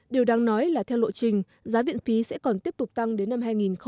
điều đáng nói là theo lộ trình giá viện phí sẽ còn tiếp tục tăng đến năm hai nghìn hai mươi